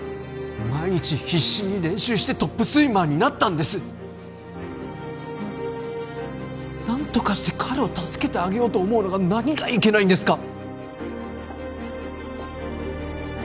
毎日必死に練習してトップスイマーになったんです何とかして彼を助けてあげようと思うのが何がいけないんですか？